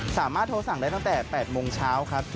สามารถโทรสั่งได้ตั้งแต่๘โมงเช้าครับ